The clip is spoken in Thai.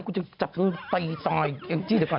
กูจะจับคุณไปซอยเกมจี้เดี๋ยวก่อน